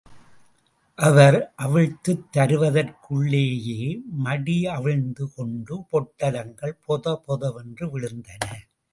அவர் அவிழ்த்துத் தருவதற்குள்ளேயே மடி அவிழ்ந்து கொண்டு பொட்டலங்கள் பொதபொதவென்று விழுந்தன.